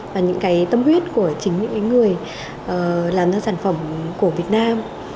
và những cái tâm huyết của chính những người làm ra sản phẩm của việt nam